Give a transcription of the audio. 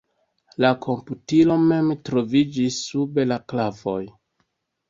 La komputilo mem troviĝis sub la klavoj.